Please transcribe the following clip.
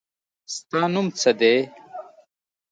ستا نوم څه دی ؟